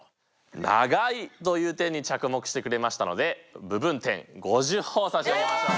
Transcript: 長いという点に着目してくれましたので部分点５０ほぉ差し上げましょう。